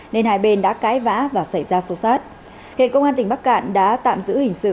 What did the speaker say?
nên hai bên đã cãi vã và xảy ra xô xát hiện công an tỉnh bắc cạn đã tạm giữ hình sự